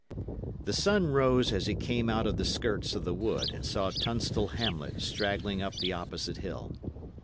The sun rose as he came out of the skirts of the wood and saw Tunstall hamlet straggling up the opposite hill.